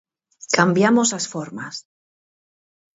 Cambiamos as formas.